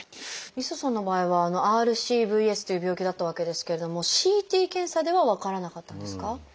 磯さんの場合はＲＣＶＳという病気だったわけですけれどもＣＴ検査では分からなかったんですか？